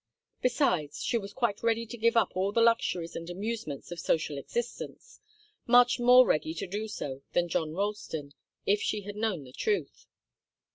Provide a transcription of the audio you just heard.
Besides, she was quite ready to give up all the luxuries and amusements of social existence much more ready to do so than John Ralston, if she had known the truth.